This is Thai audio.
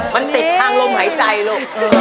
มันติดทางลมหายใจลูก